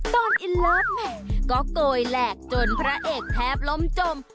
ตอนอินเลิศแหมก็โกยแหลกจนพระเอกแทบล้มจม